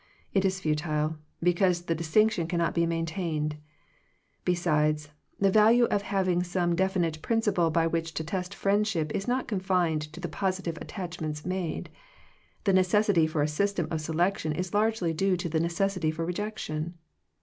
It is fu tile, because the distinction cannot be maintained. Besides, the value of having some defi nite principle by which to test friendship is not confined to the positive attach ments made. The necessity for a system of selection is largely due to the necessity for rejection.